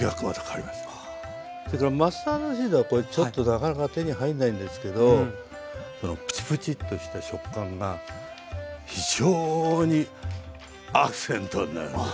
それからマスタードシードはこれちょっとなかなか手に入んないんですけどそのプチプチッとした食感が非常にアクセントになるんですね。